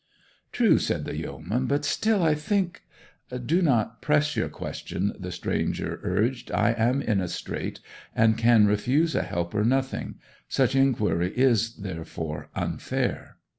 'True,' said the yeoman. 'But still, I think ' 'Do not press your question,' the stranger urged. 'I am in a strait, and can refuse a helper nothing; such inquiry is, therefore, unfair.'